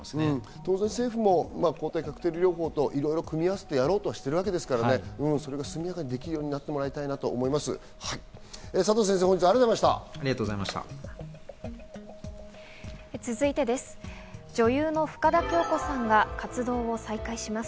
当然、政府も抗体カクテル療法といろいろ組み合わせてやろうとしてるわけですからね、速やかにできるようになってもらいたいと思います。